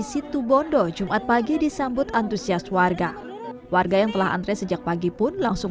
situ bondo jumat pagi disambut antusias warga warga yang telah antre sejak pagi pun langsung